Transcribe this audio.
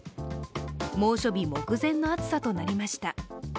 猛暑日目前の暑さとなりました。